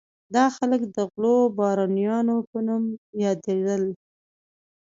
دا خلک د غلو بارونیانو په نوم یادېدل.